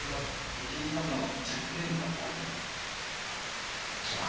藤井さんの弱点とかってあるんですか？